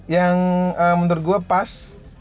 yang menurut gue pas